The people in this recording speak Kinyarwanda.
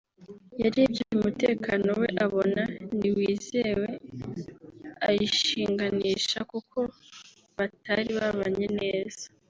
yarebye umutekano we abona ntiwizewe arishinganisha kuko batari babanye neza